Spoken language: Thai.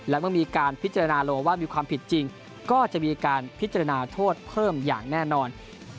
และเมื่อมีการพิจารณาโลว่ามีความผิดจริงก็จะมีการพิจารณาโทษเพิ่มอย่างแน่นอน